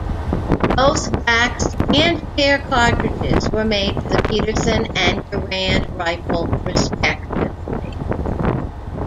Both waxed and bare cartridges were made for the Pedersen and Garand rifle respectively.